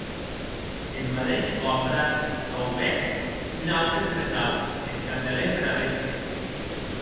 En madeish còfre sauvèc un aute tresaur; es candelers der avesque.